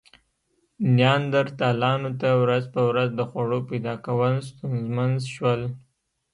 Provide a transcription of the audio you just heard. نیاندرتالانو ته ورځ په ورځ د خوړو پیدا کول ستونزمن شول.